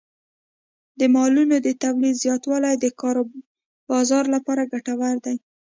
د مالونو د تولید زیاتوالی د کار بازار لپاره ګټور دی.